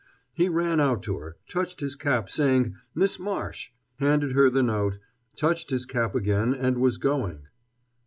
He ran out to her, touched his cap, saying "Miss Marsh," handed her the note, touched his cap again, and was going.